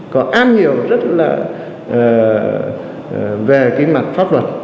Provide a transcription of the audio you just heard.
có am hiểu rất là về cái mặt pháp luật